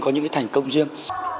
có những cái thành công riêng